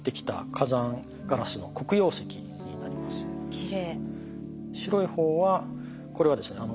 きれい。